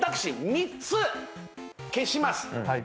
３つ消します